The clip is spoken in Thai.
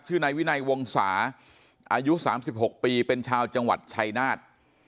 นายวินัยวงศาอายุ๓๖ปีเป็นชาวจังหวัดชายนาฏ